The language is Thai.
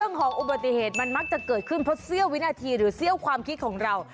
ของอุบัติเหตุมันมักจะเกิดขึ้นเพราะเสี้ยววินาทีหรือเสี้ยวความคิดของเรา